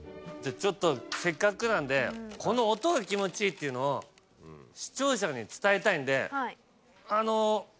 ちょっとせっかくなんでこの音が気持ちいいというのを視聴者に伝えたいんであの。